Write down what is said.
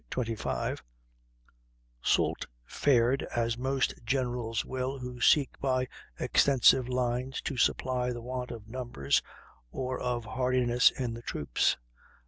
25): "Soult fared as most generals will who seek by extensive lines to supply the want of numbers or of hardiness in the troops.